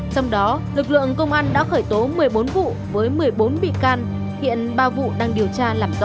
trong đó lực lượng công an đã khởi tố một mươi bốn vụ với một mươi bốn bị can hiện ba vụ đang điều tra làm rõ